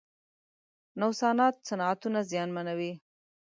نوسانات صنعتونه زیانمنوي.